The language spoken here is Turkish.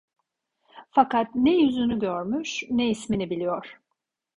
Fakat ne yüzünü görmüş, ne ismini biliyor.